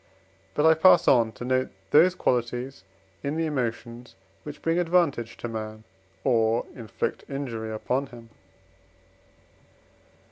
But I pass on to note those qualities in the emotions, which bring advantage to man, or inflict injury upon him.